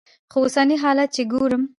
خو اوسني حالات چې ګورم.